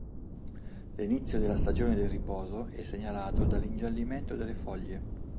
L'inizio della stagione del riposo è segnalato dall'ingiallimento delle foglie..